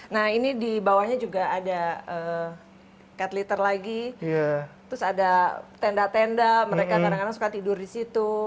nah ini dibawahnya juga ada cat litter lagi terus ada tenda tenda mereka kadang kadang suka tidur disitu